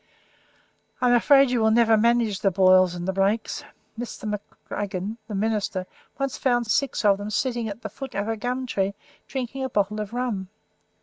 I am afraid you will never manage the Boyles and the Blakes. Mr. McLaggan, the minister, once found six of them sitting at the foot of a gum tree, drinking a bottle of rum.